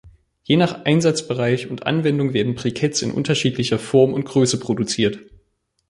Je nach Einsatzbereich und Anwendung werden Briketts in unterschiedlicher Form und Größe produziert.